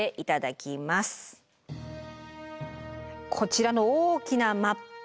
こちらの大きなマップ